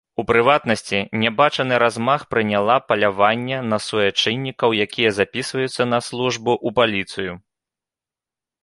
У прыватнасці, нябачаны размах прыняла паляванне на суайчыннікаў, якія запісваюцца на службу ў паліцыю.